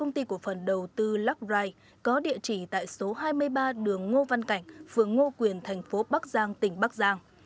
công ty của phần đầu tư luckride có địa chỉ tại số hai mươi ba đường ngo văn cảnh phường ngo quyền thành phố bắc giang tỉnh bắc giang